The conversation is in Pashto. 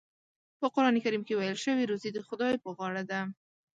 په قرآن کریم کې ویل شوي روزي د خدای په غاړه ده.